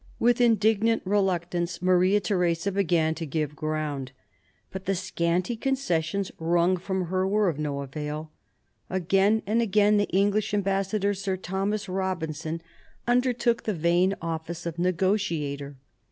With indignant reluctance Maria Theresa began to give ground. But the scanty concessions wrung from her were of no avail. Again and again the English ambassador, Sir Thomas Robinson, undertook the vain 14 MARIA THERESA chap, i office of negotiator.